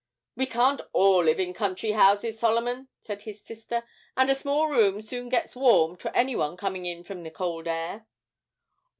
'We can't all live in country houses, Solomon,' said his sister, 'and a small room soon gets warm to any one coming in from the cold air.'